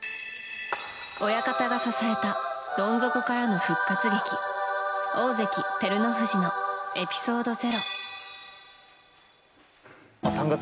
親方が支えたどん底からの復活劇大関・照ノ富士のｅｐｉｓｏｄｅ０。